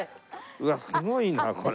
うわっすごいなこれ。